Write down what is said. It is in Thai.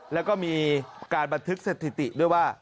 แล้วก็มีการบันทึกสถิติด้วยว่า